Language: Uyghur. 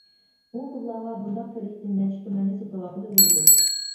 ئۇ پۇللارغا بۇنداق كىرلىكتىن نەچچە تۈمەننى سېتىۋالغىلى بولىدۇ.